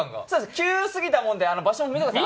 急すぎたもんで場所あっち見てください。